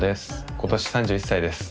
今年３１歳です。